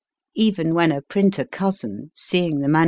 Even when a printer cousin, seeing the MS.